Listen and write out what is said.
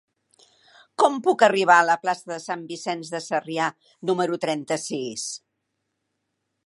Com puc arribar a la plaça de Sant Vicenç de Sarrià número trenta-sis?